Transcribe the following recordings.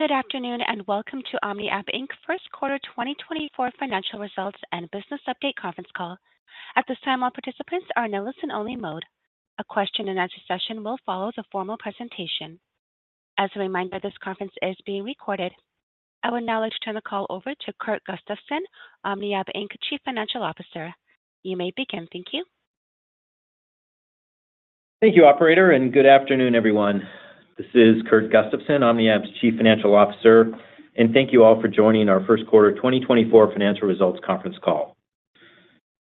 Good afternoon, and welcome to OmniAb Inc.'s first quarter 2024 financial results and business update conference call. At this time, all participants are in a listen-only mode. A question-and-answer session will follow the formal presentation. As a reminder, this conference is being recorded. I would now like to turn the call over to Kurt Gustafson, OmniAb Inc., Chief Financial Officer. You may begin. Thank you. Thank you, operator, and good afternoon, everyone. This is Kurt Gustafson, OmniAb's Chief Financial Officer, and thank you all for joining our first quarter 2024 financial results conference call.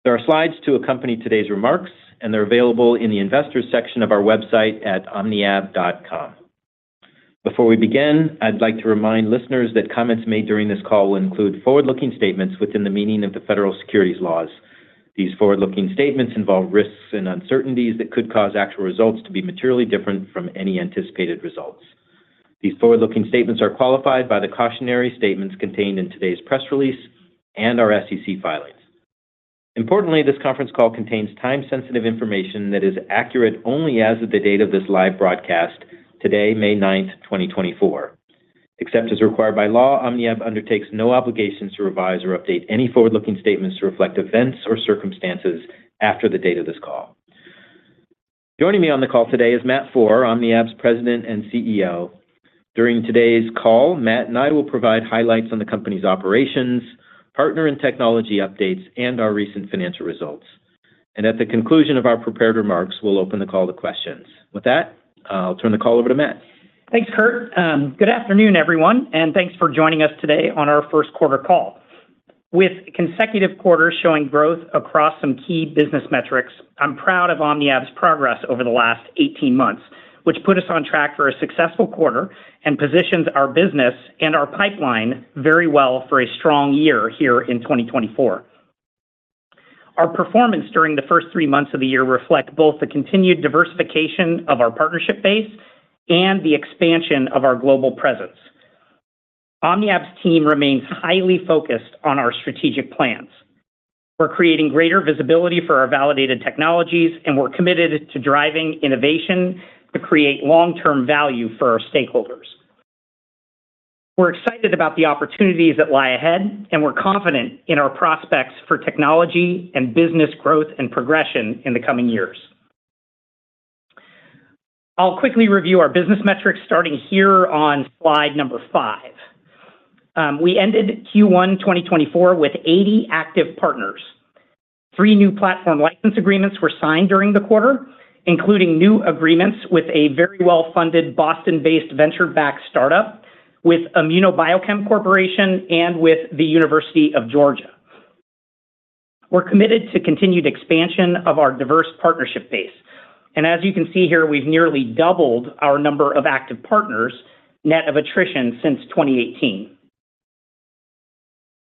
There are slides to accompany today's remarks, and they're available in the Investors section of our website at omniab.com. Before we begin, I'd like to remind listeners that comments made during this call will include forward-looking statements within the meaning of the federal securities laws. These forward-looking statements involve risks and uncertainties that could cause actual results to be materially different from any anticipated results. These forward-looking statements are qualified by the cautionary statements contained in today's press release and our SEC filings. Importantly, this conference call contains time-sensitive information that is accurate only as of the date of this live broadcast today, May 9th, 2024. Except as required by law, OmniAb undertakes no obligations to revise or update any forward-looking statements to reflect events or circumstances after the date of this call. Joining me on the call today is Matt Foehr, OmniAb's President and CEO. During today's call, Matt and I will provide highlights on the company's operations, partner and technology updates, and our recent financial results, and at the conclusion of our prepared remarks, we'll open the call to questions. With that, I'll turn the call over to Matt. Thanks, Kurt. Good afternoon, everyone, and thanks for joining us today on our first quarter call. With consecutive quarters showing growth across some key business metrics, I'm proud of OmniAb's progress over the last 18 months, which put us on track for a successful quarter and positions our business and our pipeline very well for a strong year here in 2024. Our performance during the first three months of the year reflect both the continued diversification of our partnership base and the expansion of our global presence. OmniAb's team remains highly focused on our strategic plans. We're creating greater visibility for our validated technologies, and we're committed to driving innovation to create long-term value for our stakeholders. We're excited about the opportunities that lie ahead, and we're confident in our prospects for technology and business growth and progression in the coming years. I'll quickly review our business metrics, starting here on slide number 5. We ended Q1 2024 with 80 active partners. Three new platform license agreements were signed during the quarter, including new agreements with a very well-funded Boston-based venture-backed startup, with ImmunoBiochem Corporation, and with the University of Georgia. We're committed to continued expansion of our diverse partnership base, and as you can see here, we've nearly doubled our number of active partners net of attrition since 2018.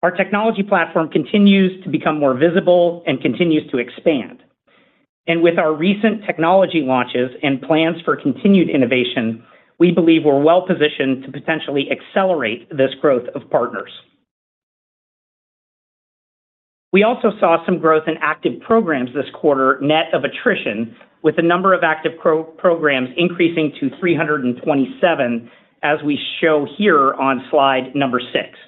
Our technology platform continues to become more visible and continues to expand, and with our recent technology launches and plans for continued innovation, we believe we're well-positioned to potentially accelerate this growth of partners. We also saw some growth in active programs this quarter, net of attrition, with the number of active programs increasing to 327, as we show here on slide number six.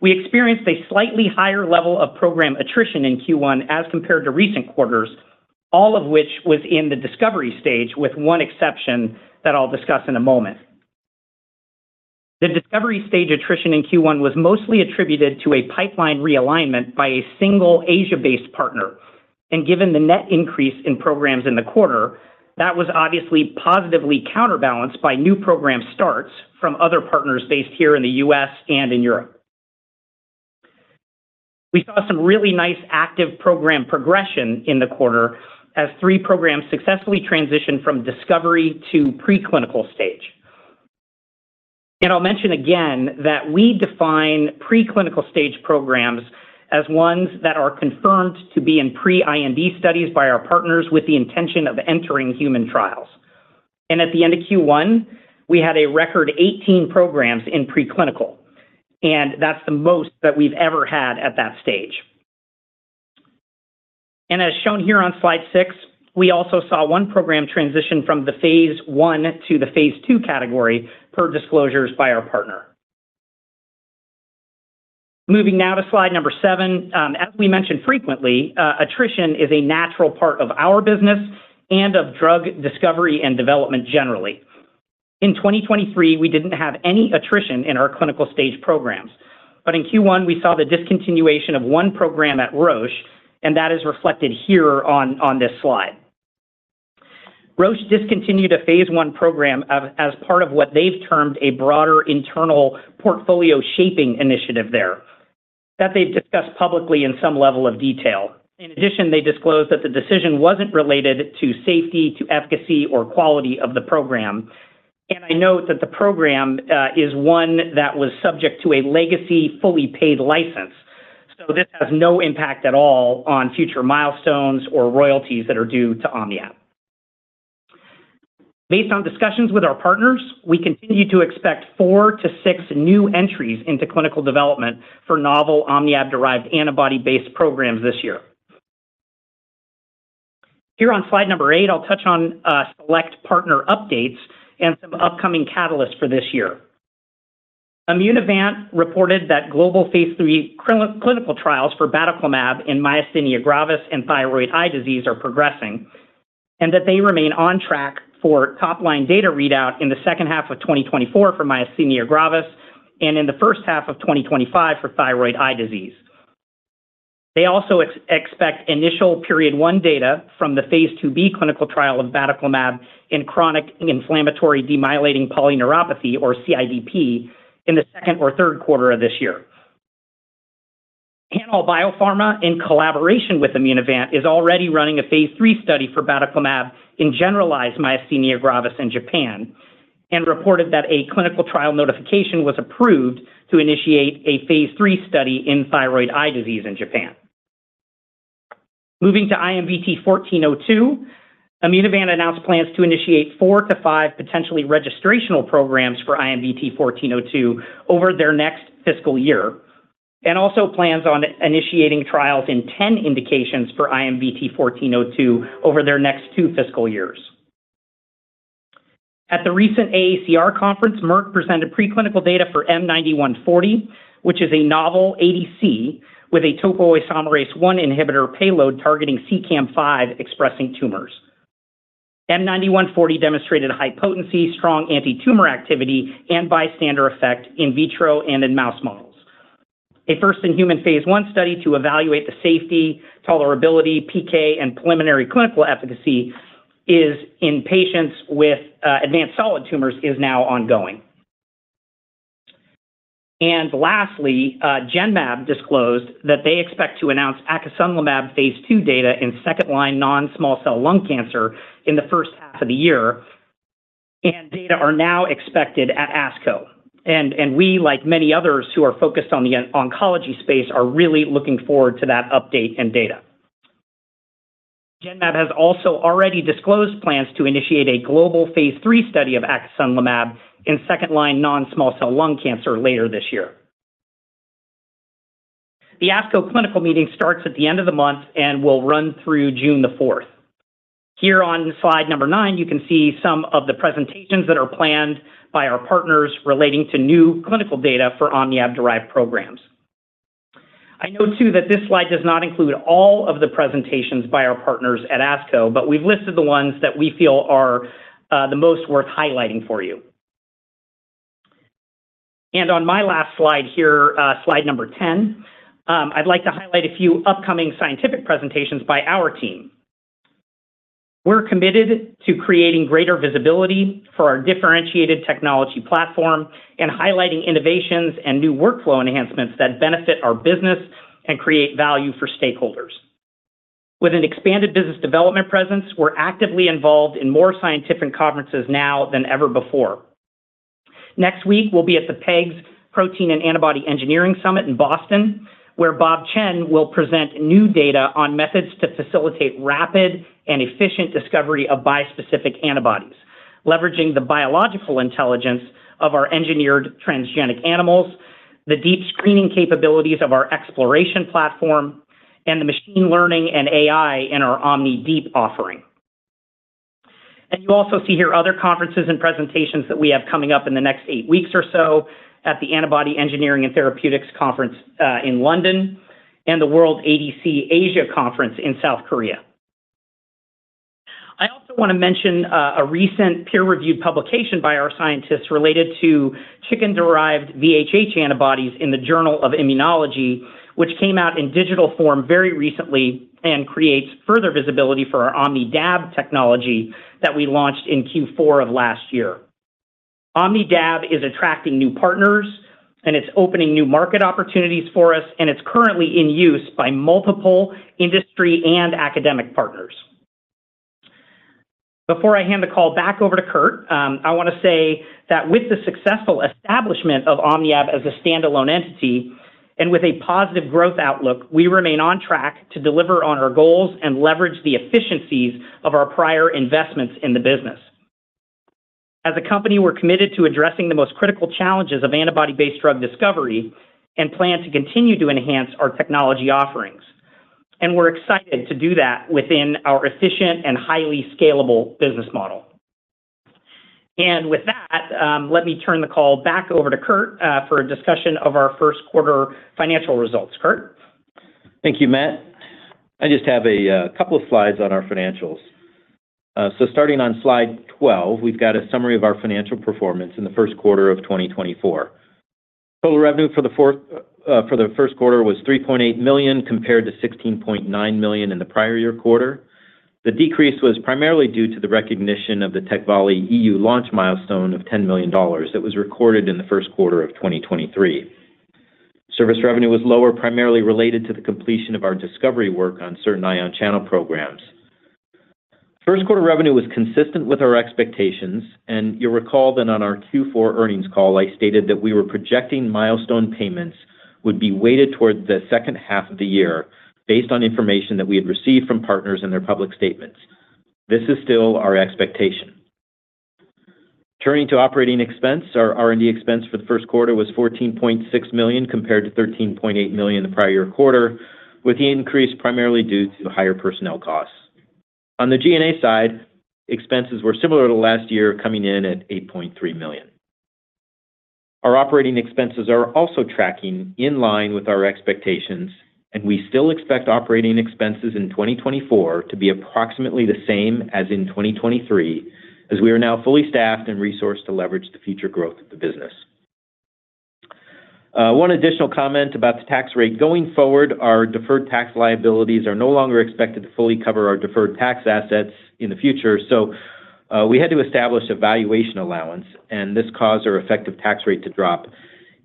We experienced a slightly higher level of program attrition in Q1 as compared to recent quarters, all of which was in the discovery stage, with one exception that I'll discuss in a moment. The discovery stage attrition in Q1 was mostly attributed to a pipeline realignment by a single Asia-based partner, and given the net increase in programs in the quarter, that was obviously positively counterbalanced by new program starts from other partners based here in the U.S. and in Europe. We saw some really nice active program progression in the quarter as three programs successfully transitioned from discovery to preclinical stage. I'll mention again that we define preclinical stage programs as ones that are confirmed to be in pre-IND studies by our partners with the intention of entering human trials. At the end of Q1, we had a record 18 programs in preclinical, and that's the most that we've ever had at that stage. As shown here on slide six, we also saw one program transition from the phase I to the phase II category per disclosures by our partner. Moving now to slide number seven. As we mention frequently, attrition is a natural part of our business and of drug discovery and development generally. In 2023, we didn't have any attrition in our clinical stage programs, but in Q1, we saw the discontinuation of one program at Roche, and that is reflected here on this slide. Roche discontinued a phase I program as part of what they've termed a broader internal portfolio shaping initiative there, that they've discussed publicly in some level of detail. In addition, they disclosed that the decision wasn't related to safety, to efficacy, or quality of the program, and I note that the program is one that was subject to a legacy fully paid license, so this has no impact at all on future milestones or royalties that are due to OmniAb. Based on discussions with our partners, we continue to expect four to six new entries into clinical development for novel OmniAb-derived antibody-based programs this year. Here on slide eight, I'll touch on select partner updates and some upcoming catalysts for this year. Immunovant reported that global phase 3 clinical trials for batoclimab in myasthenia gravis and thyroid eye disease are progressing, and that they remain on track for top-line data readout in the second half of 2024 for myasthenia gravis, and in the first half of 2025 for thyroid eye disease. They also expect initial Period One data from the phase IIb clinical trial of batoclimab in chronic inflammatory demyelinating polyneuropathy or CIDP, in the second or third quarter of this year. HanAll Biopharma, in collaboration with Immunovant, is already running a phase III study for batoclimab in generalized myasthenia gravis in Japan, and reported that a clinical trial notification was approved to initiate a phase III study in thyroid eye disease in Japan. Moving to IMVT-1402, Immunovant announced plans to initiate four to five potentially registrational programs for IMVT-1402 over their next fiscal year, and also plans on initiating trials in 10 indications for IMVT-1402 over their next two fiscal years. At the recent AACR conference, Merck presented preclinical data for M9140, which is a novel ADC with a topoisomerase 1 inhibitor payload targeting CEACAM5 expressing tumors. M9140 demonstrated a high potency, strong antitumor activity, and bystander effect in vitro and in mouse models. A first-in-human phase I study to evaluate the safety, tolerability, PK, and preliminary clinical efficacy in patients with advanced solid tumors is now ongoing. Lastly, Genmab disclosed that they expect to announce acasunlimab phase II data in second-line non-small cell lung cancer in the first half of the year, and data are now expected at ASCO. And we, like many others who are focused on the oncology space, are really looking forward to that update and data. Genmab has also already disclosed plans to initiate a global phase III study of acasunlimab in second-line non-small cell lung cancer later this year. The ASCO Clinical Meeting starts at the end of the month, and will run through June 4th. Here on slide number nine, you can see some of the presentations that are planned by our partners relating to new clinical data for OmniAb-derived programs. I know, too, that this slide does not include all of the presentations by our partners at ASCO, but we've listed the ones that we feel are the most worth highlighting for you. On my last slide here, slide number 10, I'd like to highlight a few upcoming scientific presentations by our team. We're committed to creating greater visibility for our differentiated technology platform and highlighting innovations and new workflow enhancements that benefit our business and create value for stakeholders. With an expanded business development presence, we're actively involved in more scientific conferences now than ever before. Next week, we'll be at the PEGS, Protein and Antibody Engineering Summit in Boston, where Bob Chen will present new data on methods to facilitate rapid and efficient discovery of bispecific antibodies, leveraging the biological intelligence of our engineered transgenic animals, the deep screening capabilities of our xPloration platform, and the machine learning and AI in our OmniDeep offering. And you also see here other conferences and presentations that we have coming up in the next eight weeks or so at the Antibody Engineering and Therapeutics Conference in London, and the World ADC Asia Conference in South Korea. I also want to mention a recent peer-reviewed publication by our scientists related to chicken-derived VHH antibodies in the Journal of Immunology, which came out in digital form very recently and creates further visibility for our OmnidAb technology that we launched in Q4 of last year. OmnidAb is attracting new partners, and it's opening new market opportunities for us, and it's currently in use by multiple industry and academic partners. Before I hand the call back over to Kurt, I want to say that with the successful establishment of OmniAb as a standalone entity and with a positive growth outlook, we remain on track to deliver on our goals and leverage the efficiencies of our prior investments in the business. As a company, we're committed to addressing the most critical challenges of antibody-based drug discovery and plan to continue to enhance our technology offerings, and we're excited to do that within our efficient and highly scalable business model. And with that, let me turn the call back over to Kurt, for a discussion of our first quarter financial results. Kurt? Thank you, Matt. I just have a couple of slides on our financials. So starting on slide 12, we've got a summary of our financial performance in the first quarter of 2024. Total revenue for the first quarter was $3.8 million, compared to $16.9 million in the prior year quarter. The decrease was primarily due to the recognition of the TECVAYLI EU launch milestone of $10 million that was recorded in the first quarter of 2023. Service revenue was lower, primarily related to the completion of our discovery work on certain ion channel programs. First quarter revenue was consistent with our expectations, and you'll recall that on our Q4 earnings call, I stated that we were projecting milestone payments would be weighted towards the second half of the year based on information that we had received from partners in their public statements. This is still our expectation. Turning to operating expense, our R&D expense for the first quarter was $14.6 million, compared to $13.8 million the prior quarter, with the increase primarily due to higher personnel costs. On the G&A side, expenses were similar to last year, coming in at $8.3 million. Our operating expenses are also tracking in line with our expectations, and we still expect operating expenses in 2024 to be approximately the same as in 2023, as we are now fully staffed and resourced to leverage the future growth of the business. One additional comment about the tax rate. Going forward, our deferred tax liabilities are no longer expected to fully cover our deferred tax assets in the future, so, we had to establish a valuation allowance, and this caused our effective tax rate to drop.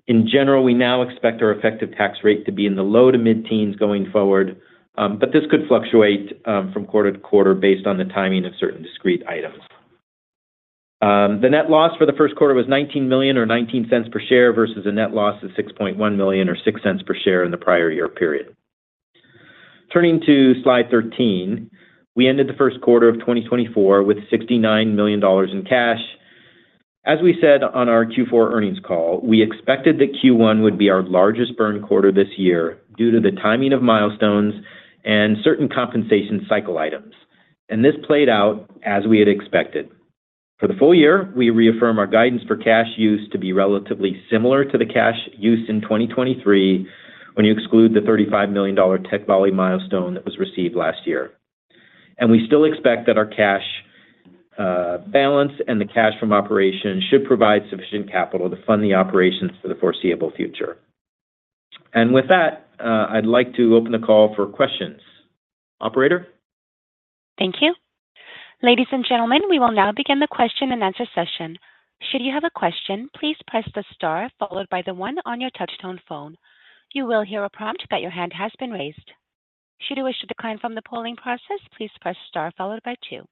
In general, we now expect our effective tax rate to be in the low to mid-teens going forward, but this could fluctuate, from quarter-to-quarter based on the timing of certain discrete items. The net loss for the first quarter was $19 million or $0.19 per share, versus a net loss of $6.1 million or $0.06 per share in the prior year period. Turning to slide 13, we ended the first quarter of 2024 with $69 million in cash. As we said on our Q4 earnings call, we expected that Q1 would be our largest burn quarter this year due to the timing of milestones and certain compensation cycle items, and this played out as we had expected. For the full year, we reaffirm our guidance for cash use to be relatively similar to the cash use in 2023, when you exclude the $35 million TECVAYLI milestone that was received last year. And we still expect that our cash balance and the cash from operations should provide sufficient capital to fund the operations for the foreseeable future. And with that, I'd like to open the call for questions. Operator? Thank you. Ladies and gentlemen, we will now begin the question-and-answer session. Should you have a question, please press the star followed by the one on your touchtone phone. You will hear a prompt that your hand has been raised. Should you wish to decline from the polling process, please press star followed by two.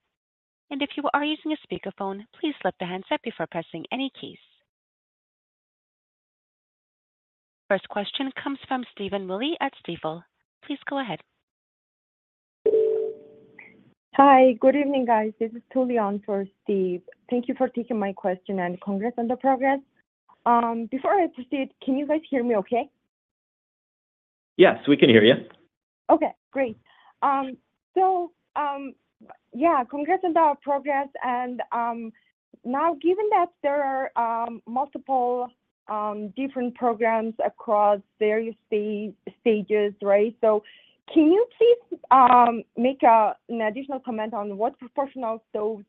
If you are using a speakerphone, please lift the handset before pressing any keys. First question comes from Stephen Willey at Stifel. Please go ahead. Hi, good evening, guys. This is [Julianne] for Steve. Thank you for taking my question and congrats on the progress. Before I proceed, can you guys hear me okay? Yes, we can hear you. Okay, great. So, yeah, congrats on the progress and, now, given that there are, multiple, different programs across various stages, right? So can you please, make an additional comment on what proportion of those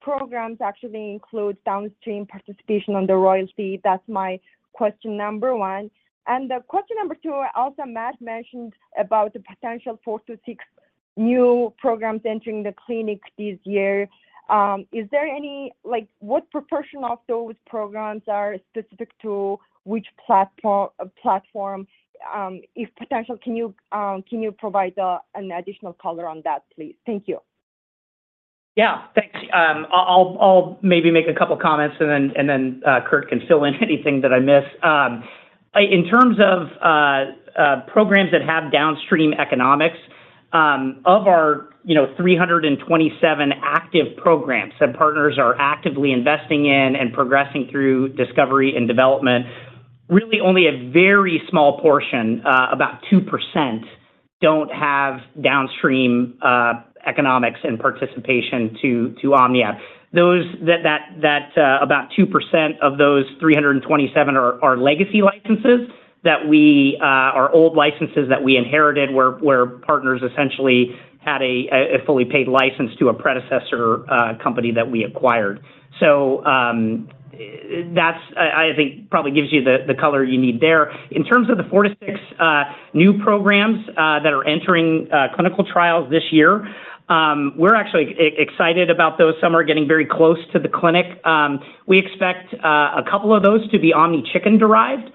programs actually include downstream participation on the royalty? That's my question number one. And question number two, also, Matt mentioned about the potential four to six new programs entering the clinic this year. Is there any... like, what proportion of those programs are specific to which platform? If potential, can you provide, an additional color on that, please? Thank you. Yeah, thanks. I'll maybe make a couple comments and then Kurt can fill in anything that I miss. In terms of programs that have downstream economics, of our, you know, 327 active programs that partners are actively investing in and progressing through discovery and development, really only a very small portion about 2% don't have downstream economics and participation to OmniAb. Those that about 2% of those 327 are legacy licenses that we are old licenses that we inherited, where partners essentially had a fully paid license to a predecessor company that we acquired. So, that's, I think probably gives you the color you need there. In terms of the four to six new programs that are entering clinical trials this year, we're actually excited about those. Some are getting very close to the clinic. We expect a couple of those to be OmniChicken-derived,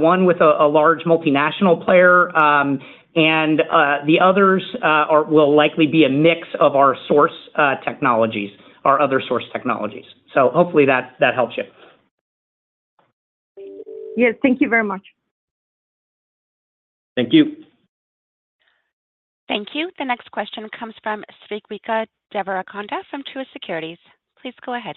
one with a large multinational player, and the others will likely be a mix of our source technologies, our other source technologies. So hopefully that helps you. Yes, thank you very much. Thank you. Thank you. The next question comes from Kripa Devarakonda, from Truist Securities. Please go ahead.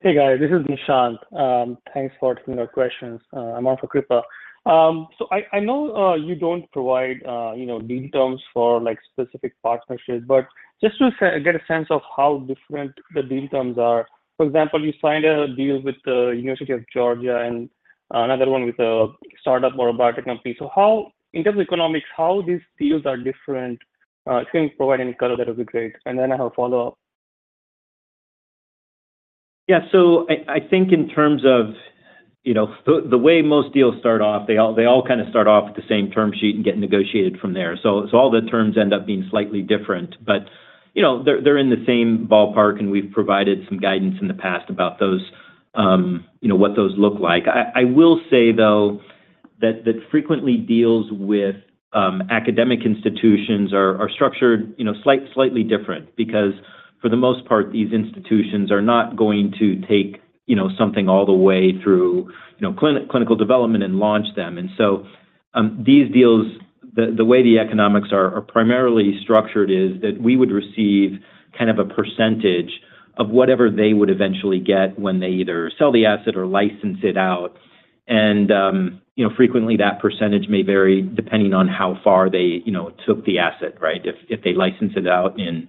Hey, guys, this is Nishant. Thanks for taking our questions. I'm on for Kripa. So I know you don't provide you know deal terms for like specific partnerships, but just to say, get a sense of how different the deal terms are. For example, you signed a deal with the University of Georgia and another one with a startup robotic company. So how, in terms of economics, how these deals are different? If you can provide any color, that would be great. And then I have a follow-up. Yeah, so I think in terms of, you know, the way most deals start off, they all kind of start off with the same term sheet and get negotiated from there. So all the terms end up being slightly different, but, you know, they're in the same ballpark, and we've provided some guidance in the past about those, you know, what those look like. I will say, though, that frequently deals with academic institutions are structured, you know, slightly different because for the most part, these institutions are not going to take, you know, something all the way through, you know, clinical development and launch them. And so these deals, the way the economics are primarily structured is that we would receive kind of a percentage of whatever they would eventually get when they either sell the asset or license it out. And, you know, frequently, that percentage may vary depending on how far they, you know, took the asset, right? If they license it out in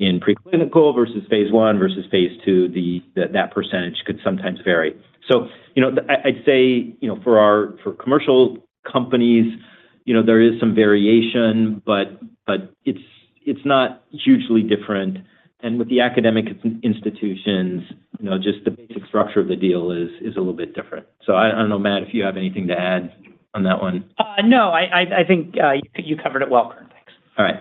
preclinical versus phase I versus phase II, that percentage could sometimes vary. So, you know, I'd say, you know, for our— for commercial companies, you know, there is some variation, but it's not hugely different. And with the academic institutions, you know, just the basic structure of the deal is a little bit different. So I don't know, Matt, if you have anything to add on that one. No, I think you covered it well. Thanks. All right.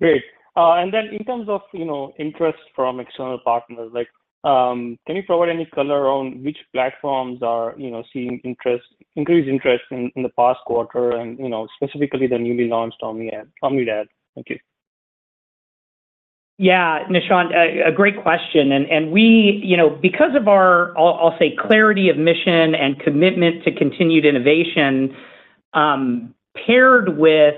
Great. And then in terms of, you know, interest from external partners, like, can you provide any color around which platforms are, you know, seeing increased interest in the past quarter and, you know, specifically the newly launched OmnidAb? Thank you. Yeah, Nishant, a great question. We, you know, because of our, I'll say, clarity of mission and commitment to continued innovation, paired with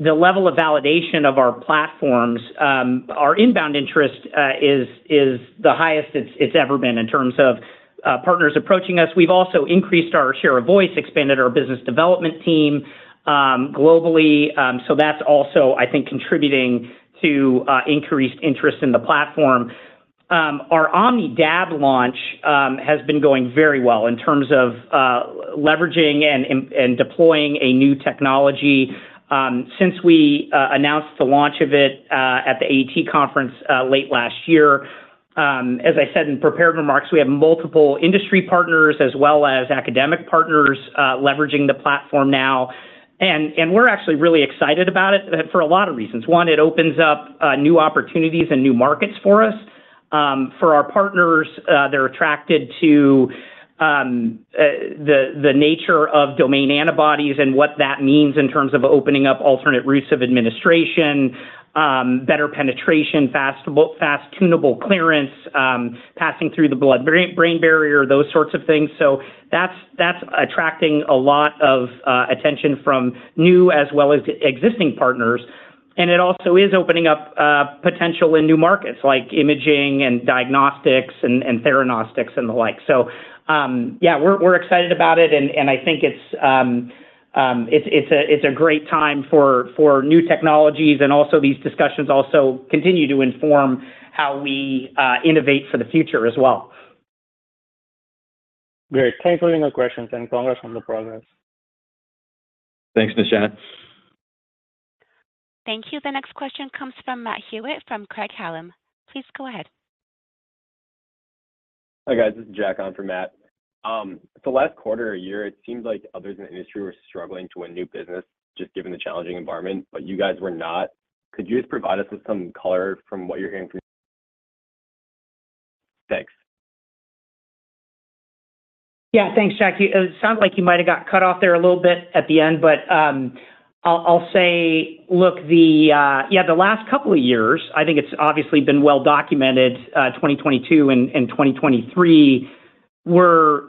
the level of validation of our platforms, our inbound interest is the highest it's ever been in terms of partners approaching us. We've also increased our share of voice, expanded our business development team, globally. So that's also, I think, contributing to increased interest in the platform. Our OmnidAb launch has been going very well in terms of leveraging and deploying a new technology, since we announced the launch of it at the AAT conference, late last year. As I said in prepared remarks, we have multiple industry partners as well as academic partners leveraging the platform now. We're actually really excited about it for a lot of reasons. One, it opens up new opportunities and new markets for us. For our partners, they're attracted to the nature of domain antibodies and what that means in terms of opening up alternate routes of administration, better penetration, fast tunable clearance, passing through the blood-brain barrier, those sorts of things. So that's attracting a lot of attention from new as well as existing partners. And it also is opening up potential in new markets, like imaging and diagnostics and theranostics and the like. So, yeah, we're excited about it, and I think it's a great time for new technologies. These discussions also continue to inform how we innovate for the future as well. Great. Thanks for taking my questions, and congrats on the progress. Thanks, Nishant. Thank you. The next question comes from Matt Hewitt from Craig-Hallum. Please go ahead. Hi, guys. This is Jack on for Matt. The last quarter a year, it seemed like others in the industry were struggling to win new business, just given the challenging environment, but you guys were not. Could you just provide us with some color from what you're hearing from... Thanks. Yeah. Thanks, Jack. It sounds like you might have got cut off there a little bit at the end, but, I'll say, look, the... yeah, the last couple of years, I think it's obviously been well documented, 2022 and 2023 were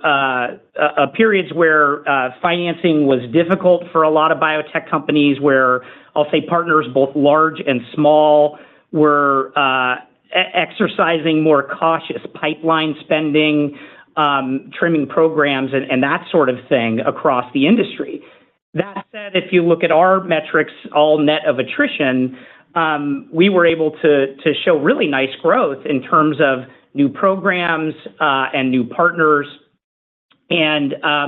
periods where financing was difficult for a lot of biotech companies, where I'll say partners, both large and small, were exercising more cautious pipeline spending, trimming programs, and that sort of thing across the industry. That said, if you look at our metrics, all net of attrition, we were able to show really nice growth in terms of new programs and new partners. I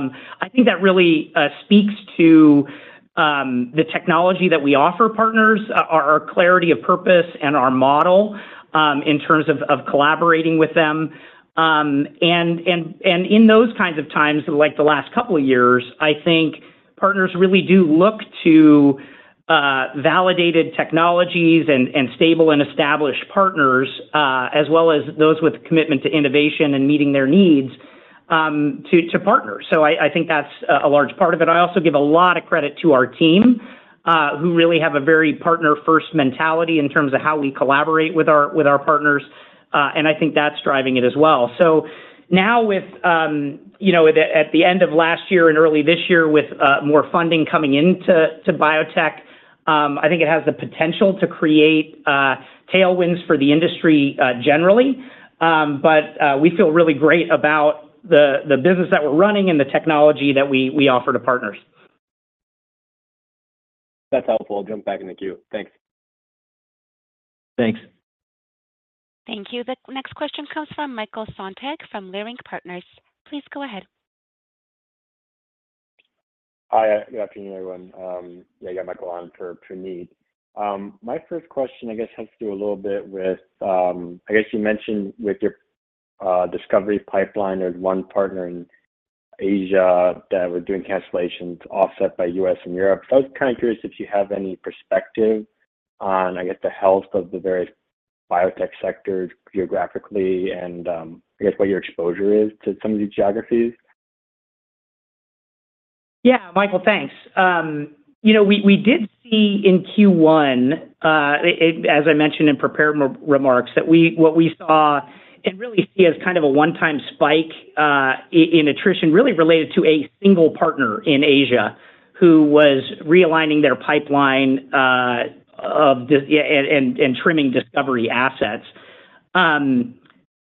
think that really speaks to the technology that we offer partners, our clarity of purpose and our model, in terms of, of collaborating with them. And in those kinds of times, like the last couple of years, I think partners really do look to validated technologies and stable and established partners, as well as those with commitment to innovation and meeting their needs, to partner. So I think that's a large part of it. I also give a lot of credit to our team, who really have a very partner-first mentality in terms of how we collaborate with our partners, and I think that's driving it as well. So now with, you know, at the end of last year and early this year, with, more funding coming into biotech, I think it has the potential to create, tailwinds for the industry, generally. But, we feel really great about the business that we're running and the technology that we offer to partners. That's helpful. I'll jump back in the queue. Thanks. Thanks. Thank you. The next question comes from Michael Sonntag, from Leerink Partners. Please go ahead. Hi, good afternoon, everyone. Yeah, I got Michael on for Puneet. My first question, I guess, has to do a little bit with... I guess you mentioned with your discovery pipeline, there's one partner in Asia that we're doing cancellations, offset by U.S. and Europe. So I was kind of curious if you have any perspective on, I guess, the health of the various biotech sectors geographically and, I guess, what your exposure is to some of these geographies? Yeah, Michael, thanks. You know, we did see in Q1, as I mentioned in prepared remarks, that we what we saw and really see as kind of a one-time spike in attrition, really related to a single partner in Asia, who was realigning their pipeline and trimming discovery assets.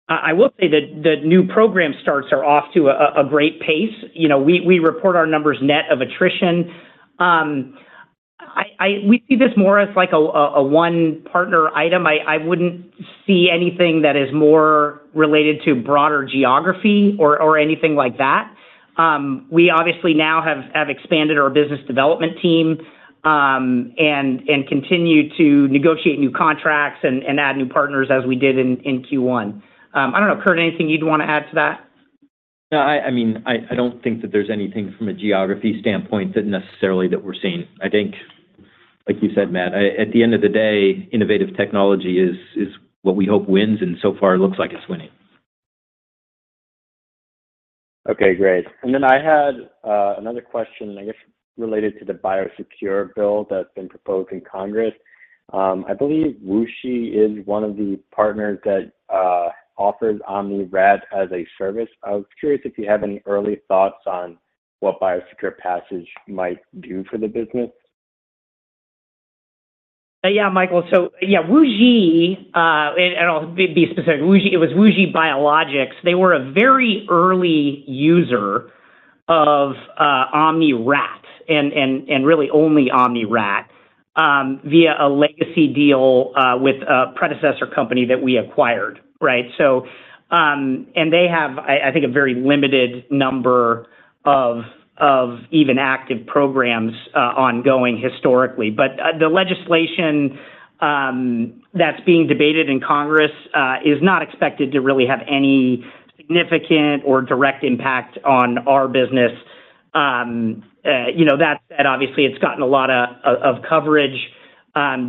I will say that the new program starts are off to a great pace. You know, we report our numbers net of attrition. We see this more as like a one-partner item. I wouldn't see anything that is more related to broader geography or anything like that. We obviously now have expanded our business development team, and continue to negotiate new contracts and add new partners as we did in Q1. I don't know, Kurt, anything you'd want to add to that? No, I mean, I don't think that there's anything from a geography standpoint that necessarily we're seeing. I think, like you said, Matt, at the end of the day, innovative technology is what we hope wins, and so far it looks like it's winning. Okay, great. And then I had another question, I guess, related to the BIOSECURE bill that's been proposed in Congress. I believe WuXi is one of the partners that offers OmniRat as a service. I was curious if you have any early thoughts on what BIOSECURE passage might do for the business? Yeah, Michael. So, yeah, WuXi, and I'll be specific. WuXi - it was WuXi Biologics. They were a very early user of OmniRat, and really only OmniRat, via a legacy deal with a predecessor company that we acquired, right? So, they have, I think, a very limited number of even active programs ongoing historically. But the legislation that's being debated in Congress is not expected to really have any significant or direct impact on our business. You know, that said, obviously, it's gotten a lot of coverage,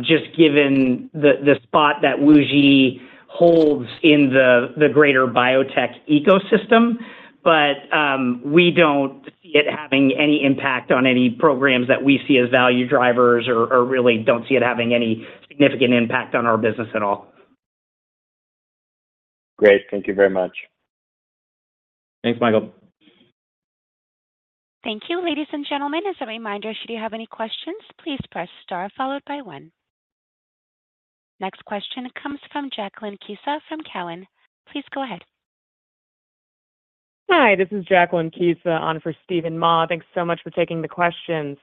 just given the spot that WuXi holds in the greater biotech ecosystem, but we don't see it having any impact on any programs that we see as value drivers or really don't see it having any significant impact on our business at all. Great. Thank you very much. Thanks, Michael. Thank you, ladies and gentlemen. As a reminder, should you have any questions, please press star followed by one. Next question comes from Jacqueline Kay Kisa from Cowen. Please go ahead. Hi, this is Jacqueline Kay Kisa on for Steven Mah. Thanks so much for taking the questions.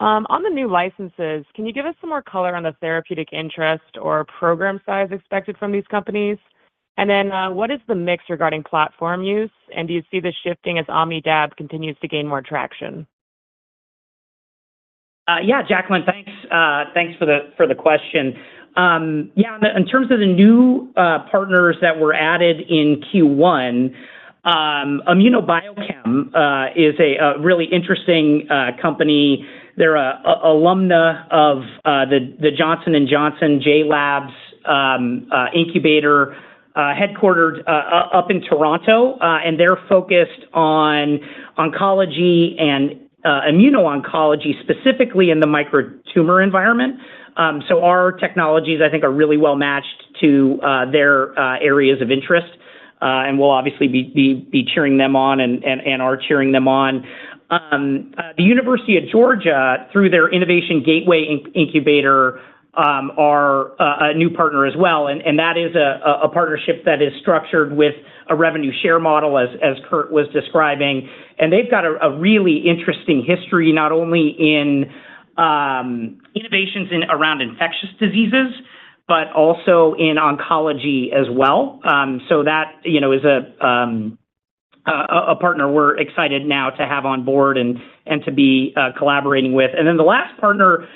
On the new licenses, can you give us some more color on the therapeutic interest or program size expected from these companies? And then, what is the mix regarding platform use, and do you see this shifting as OmnidAb continues to gain more traction? Yeah, Jacqueline, thanks for the question. Yeah, in terms of the new partners that were added in Q1, ImmunoBiochem is a really interesting company. They're an alumna of the Johnson & Johnson JLABS incubator, headquartered up in Toronto. And they're focused on oncology and immuno-oncology, specifically in the micro tumor environment. So our technologies, I think, are really well matched to their areas of interest. And we'll obviously be cheering them on and are cheering them on. The University of Georgia, through their Innovation Gateway Incubator, are a new partner as well, and that is a partnership that is structured with a revenue share model, as Kurt was describing. And they've got a really interesting history, not only in innovation and around infectious diseases, but also in oncology as well. So that, you know, is a partner we're excited now to have on board and to be collaborating with. And then the last partner,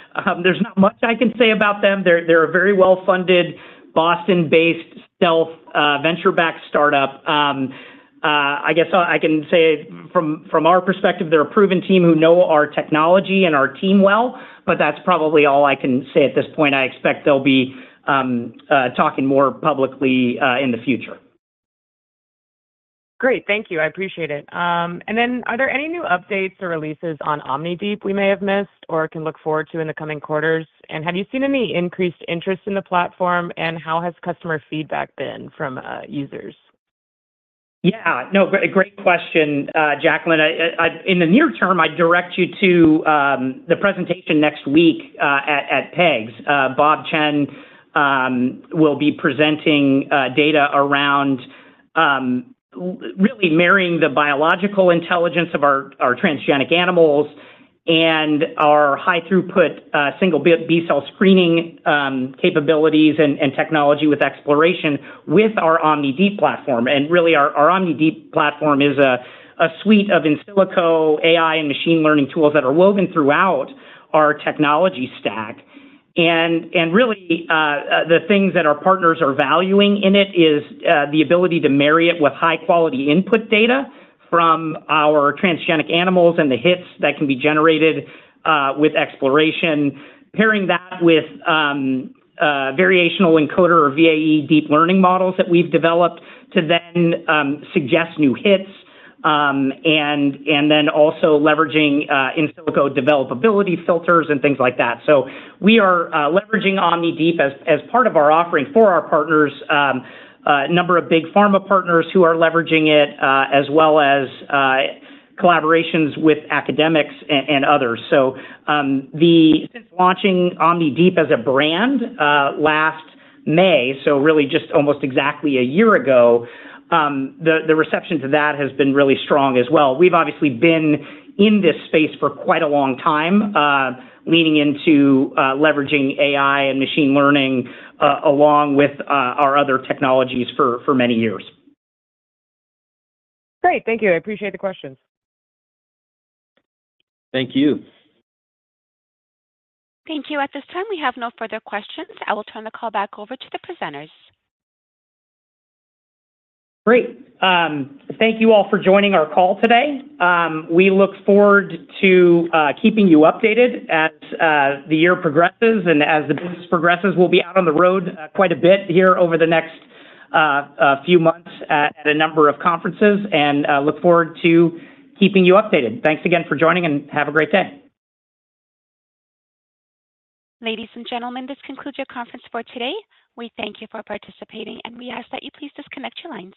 there's not much I can say about them. They're a very well-funded, Boston-based, stealth venture-backed startup. I guess I can say from our perspective, they're a proven team who know our technology and our team well, but that's probably all I can say at this point. I expect they'll be talking more publicly in the future. Great. Thank you. I appreciate it. And then are there any new updates or releases on OmniDeep we may have missed or can look forward to in the coming quarters? And have you seen any increased interest in the platform, and how has customer feedback been from users? Yeah. No, great question, Jacqueline. In the near term, I'd direct you to the presentation next week at PEGS. Bob Chen will be presenting data around really marrying the biological intelligence of our transgenic animals and our high-throughput single B-cell screening capabilities and technology with xPloration with our OmniDeep platform. And really, our OmniDeep platform is a suite of in silico AI and machine learning tools that are woven throughout our technology stack. And really, the things that our partners are valuing in it is the ability to marry it with high-quality input data from our transgenic animals and the hits that can be generated with xPloration. Pairing that with variational encoder or VAE deep learning models that we've developed to then suggest new hits, and then also leveraging in silico developability filters and things like that. So we are leveraging OmniDeep as part of our offering for our partners, a number of big pharma partners who are leveraging it, as well as collaborations with academics and others. So the— since launching OmniDeep as a brand last May, so really just almost exactly a year ago, the reception to that has been really strong as well. We've obviously been in this space for quite a long time, leaning into leveraging AI and machine learning along with our other technologies for many years. Great. Thank you. I appreciate the questions. Thank you. Thank you. At this time, we have no further questions. I will turn the call back over to the presenters. Great. Thank you all for joining our call today. We look forward to keeping you updated as the year progresses and as the business progresses. We'll be out on the road quite a bit here over the next a few months at a number of conferences, and look forward to keeping you updated. Thanks again for joining, and have a great day. Ladies and gentlemen, this concludes your conference for today. We thank you for participating, and we ask that you please disconnect your lines.